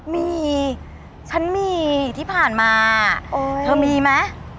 มีฉันมีที่ผ่านมาเธอมีไหม